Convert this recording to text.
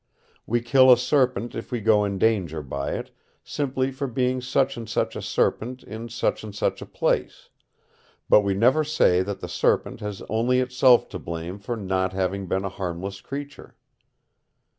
We kill a serpent if we go in danger by it, simply for being such and such a serpent in such and such a place; but we never say that the serpent has only itself to blame for not having been a harmless creature.